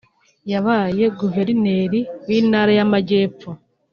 yabaye Guverineri w’Intara y’Amajyepfo